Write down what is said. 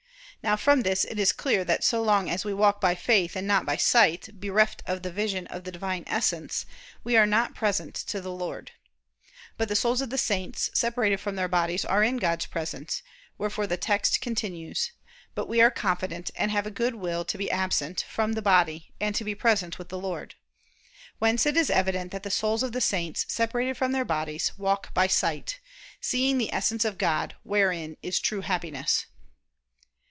Now from this it is clear that so long as we walk by faith and not by sight, bereft of the vision of the Divine Essence, we are not present to the Lord. But the souls of the saints, separated from their bodies, are in God's presence; wherefore the text continues: "But we are confident and have a good will to be absent ... from the body, and to be present with the Lord." Whence it is evident that the souls of the saints, separated from their bodies, "walk by sight," seeing the Essence of God, wherein is true Happiness.